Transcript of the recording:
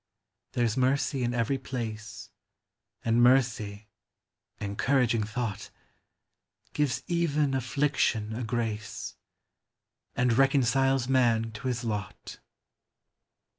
There 's mercy in every place, And mercy — encouraging thought !— Gives even affliction a grace, And reconciles man to his lot.